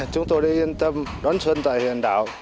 chúng tôi đi yên tâm đón xuân tại huyện đảo